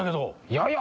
やや！